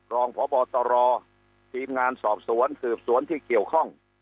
รองพบตรทีมงานสอบสวนสืบสวนที่เกี่ยวข้อง